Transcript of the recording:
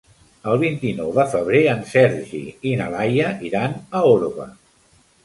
El vint-i-nou de febrer en Sergi i na Laia iran a Orba.